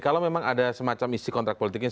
kalau memang ada semacam isi kontrak politiknya